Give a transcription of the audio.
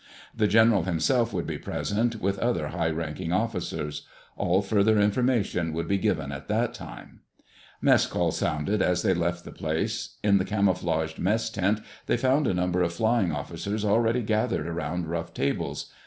The general himself would be present, with other high ranking officers. All further information would be given at that time. Mess call sounded as they left the place. In the camouflaged mess tent, they found a number of flying officers already gathered around rough tables.